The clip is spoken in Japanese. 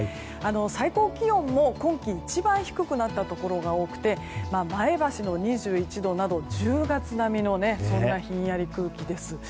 最高気温も今季一番低くなったところが多くて前橋の２１度など１０月並みのひんやり空気です。